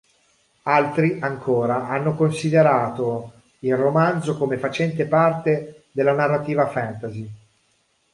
Altri ancora hanno considerato il romanzo come facente parte della narrativa fantasy.